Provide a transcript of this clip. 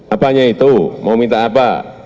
apanya itu mau minta apa